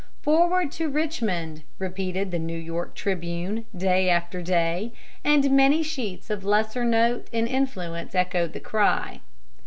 "Forward to Richmond," repeated the "New York Tribune," day after day, and many sheets of lesser note and influence echoed the cry.